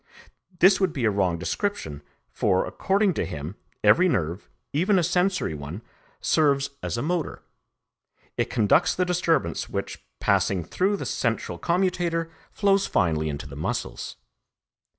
This would be a wrong description, for, according to him, every nerve, even a sensory one, serves as a motor; it conducts the disturbance which, passing through the central commutator, flows finally into the muscles.